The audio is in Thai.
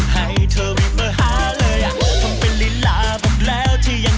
เตียต้องเป็นของแฟนคุณเดียว